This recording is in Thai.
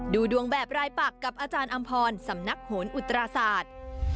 ดูดวงแบบรายปักกับอาจารย์อำพรสำนักโหนอุตราศาสตร์